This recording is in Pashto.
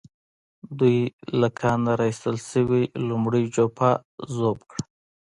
دوی له کانه را ايستل شوې لومړۍ جوپه ذوب کړه.